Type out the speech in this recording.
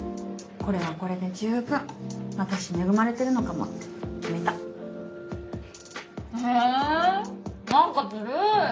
これはこれで十分私恵まれてるのかもって決めたえーっなんかずるい